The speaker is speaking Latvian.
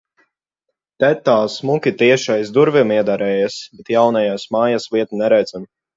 Te tā smuki tieši aiz durvīm iederējās, bet jaunajās mājas vietu neredzam...